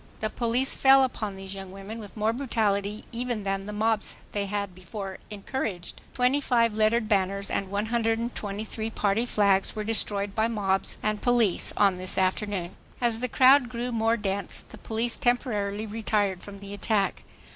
The police fell upon these young women with more brutality even than the mobs they had before encouraged. Twenty five lettered banners and 123 Party flags were destroyed by mobs and police on this afternoon. As the crowd grew more dense, the police temporarily retired from the attack.